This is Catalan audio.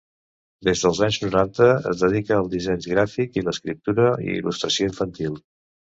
Des dels anys noranta es dedica al disseny gràfic i l'escriptura i il·lustració infantil.